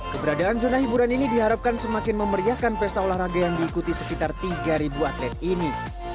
keberadaan zona hiburan ini diharapkan semakin memeriahkan pesta olahraga yang diikuti sekitar tiga atlet ini